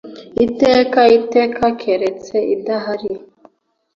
Iteka iteka keretse idahari.